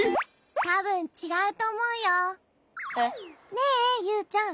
ねえユウちゃん。